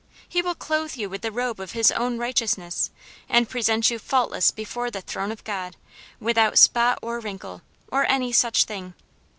He will clothe you with the robe of his own righteousness, and present you faultless before the throne of God, without spot or wrinkle, or any such thing.